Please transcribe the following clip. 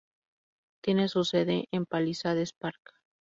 Tiene su sede en Palisades Park.